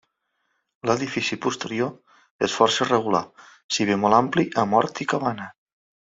L'edifici posterior és força irregular si bé molt ampli amb hort i cabana.